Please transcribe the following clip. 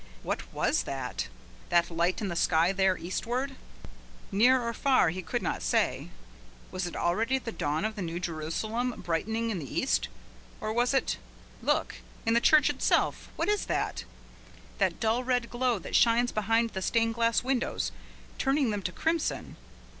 What was that? That light in the sky there, eastward? near or far he could not say. Was it already the dawn of the New Jerusalem brightening in the east, or was it look in the church itself, what is that? that dull red glow that shines behind the stained glass windows, turning them to crimson?